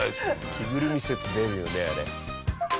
着ぐるみ説出るよねあれ。